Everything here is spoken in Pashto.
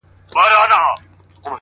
پر خپل کور به د مرګي لاري سپرې کړي٫